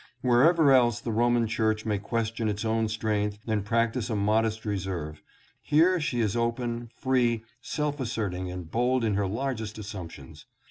Wherever else the Roman Church may question its own strength and practice a modest reserve, here she is open, free, self asserting and bold in her largest assumptions.